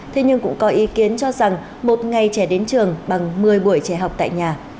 thế nhưng cũng có ý kiến cho rằng một ngày trẻ đến trường bằng một mươi buổi trẻ học tại nhà